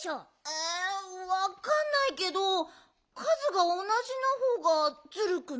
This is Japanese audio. えわかんないけどかずがおなじのほうがずるくないのかな？